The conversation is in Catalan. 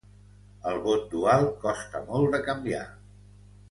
El vot dual costa molt de canviar.